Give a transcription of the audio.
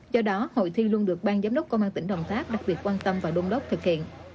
do đó hội thi luôn được ban giám đốc công an tỉnh đồng tháp đặc biệt quan tâm và đôn đốc thực hiện